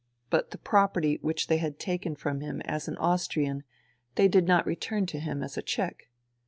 But the property which they had taken from him as an Austrian they did not return to him as a Czech.